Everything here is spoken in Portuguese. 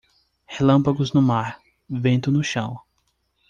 Relâmpagos no mar, vento no chão.